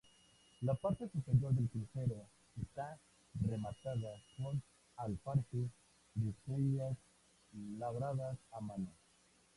La parte superior del crucero está rematada con alfarje de estrellas labradas a mano.